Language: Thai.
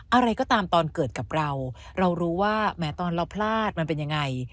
อะไรก็ตามตอนเกิดกับเราเรารู้ว่าแหมตอนเราพลาดมันเป็นยังไง